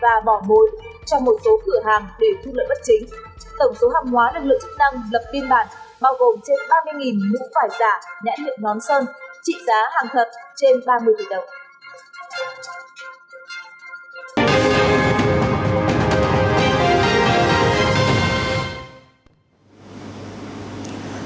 tổng số hàng hóa lực lượng chức năng lập pin bản bao gồm trên ba mươi mũ phải giả nhãn hiệu nón sơn trị giá hàng thật trên ba mươi tỷ đồng